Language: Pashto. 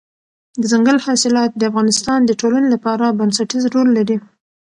دځنګل حاصلات د افغانستان د ټولنې لپاره بنسټيز رول لري.